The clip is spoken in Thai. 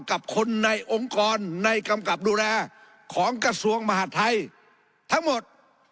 กับคนในองค์กรในกำกับดูแลของกระทรวงมหาดไทยทั้งหมด